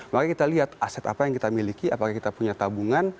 maka kita lihat aset apa yang kita miliki apakah kita punya tabungan